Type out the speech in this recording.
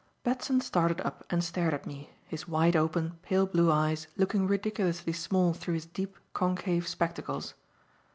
Batson started up and stared at me, his wide open, pale blue eyes looking ridiculously small through his deep, concave spectacles.